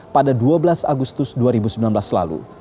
pada dua belas agustus dua ribu sembilan belas lalu